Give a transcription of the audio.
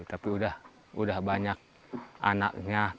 tapi sudah banyak anaknya